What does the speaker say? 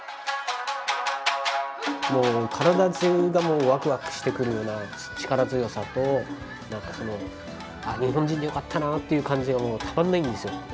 もう体中がワクワクしてくるような力強さと何かその日本人でよかったなという感じがたまんないんですよ。